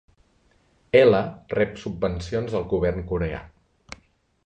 'L rep subvencions del govern coreà.